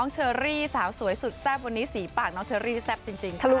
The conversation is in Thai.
เซรี่สาวสวยสุดแซบวันนี้สีปากน้องเซรี่แซ็บจริงจริงใช่ไหม